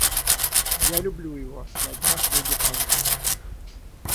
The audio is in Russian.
Я люблю его, на-днях выйдет развод.